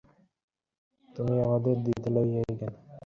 প্রত্যেক ব্যক্তিতেও এই তিনটি উপাদান বিরাজমান।